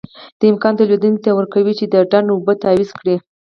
دا امکان تولیدوونکي ته ورکوي چې د ډنډ اوبه تعویض کړي.